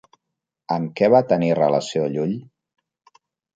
Amb què va tenir relació Llull?